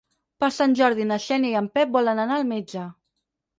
Per Sant Jordi na Xènia i en Pep volen anar al metge.